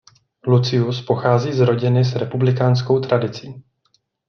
Lucius pochází z rodiny s republikánskou tradicí.